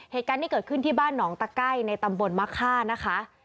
เหตุการณ์ที่เกิดขึ้นที่บ้านหนองตะไก้ในตำบลมะค่านะคะ